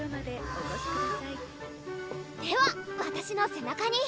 あぁではわたしの背中に！